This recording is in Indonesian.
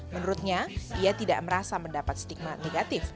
menurutnya ia tidak merasa mendapat stigma negatif